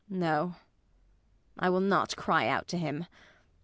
] No. I will not cry out to him.